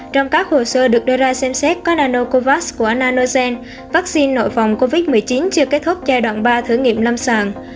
trong các hồ sơ được đưa ra xem xét có nanocovax của nanogen vaccine vaccine nội phòng covid một mươi chín chưa kết thúc giai đoạn ba thử nghiệm lâm sàng